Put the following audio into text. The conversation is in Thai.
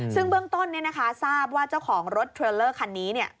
ซึ่งเบื้องต้นทราบว่าเจ้าของรถเทรลเลอร์คันนี้